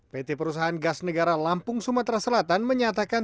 pt perusahaan gas negara lampung sumatera selatan menyatakan